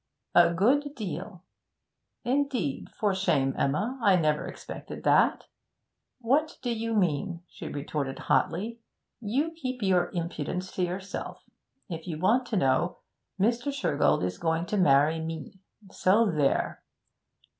'A good deal.' 'Indeed? For shame, Emma! I never expected that!' 'What do you mean?' she retorted hotly. 'You keep your impudence to yourself. If you want to know, Mr. Shergold is going to marry me so there!'